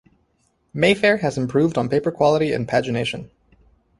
"Mayfair", has improved on paper quality and pagination.